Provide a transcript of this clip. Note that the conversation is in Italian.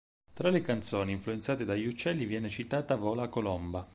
Tra le canzoni influenzate dagli uccelli viene citata "Vola colomba".